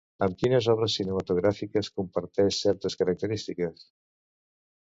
Amb quines obres cinematogràfiques comparteix certes característiques?